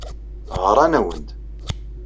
Ɣran-awen-d.